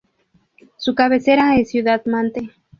Su cabecera es Ciudad Mante.